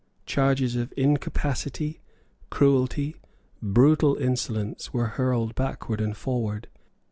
Charges of incapacity, cruelty, brutal insolence, were hurled backward and forward.